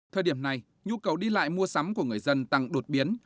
thời điểm này nhu cầu đi lại mua sắm của người dân tăng đột biến